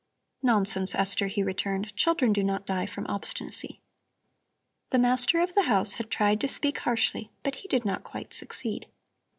"Nonsense, Esther," he returned; "children do not die from obstinacy." The master of the house had tried to speak harshly, but he did not quite succeed.